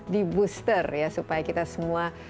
dibooster ya supaya kita semua